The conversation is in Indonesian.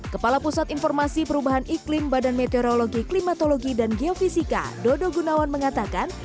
kepala pusat informasi perubahan iklim badan meteorologi klimatologi dan geofisika dodo gunawan mengatakan